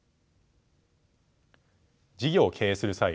事業を経営する際